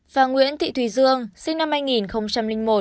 và nguyễn thị thùy dương sinh năm hai nghìn một